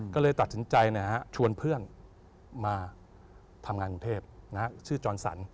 ก็เลยตัดสินใจ